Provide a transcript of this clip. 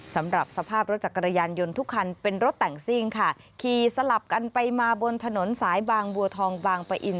สำหรับสภาพรถจักรยานยนต์ทุกคันเป็นรถแต่งซิ่งค่ะขี่สลับกันไปมาบนถนนสายบางบัวทองบางปะอิน